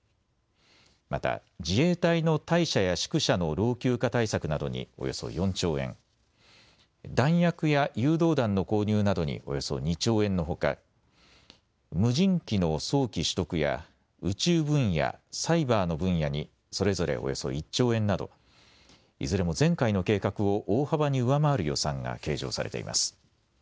また自衛隊の隊舎や宿舎の老朽化対策などにおよそ４兆円、弾薬や誘導弾の購入などにおよそ２兆円のほか、無人機の早期取得や宇宙分野、サイバーの分野にそれぞれおよそ１兆円などいずれも前回の計画を大幅に上回る予算が計上されています。